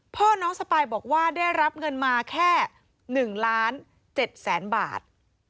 พ่อน้องสปายบอกว่าได้รับเงินมาแค่๑ล้าน๗แสนบาท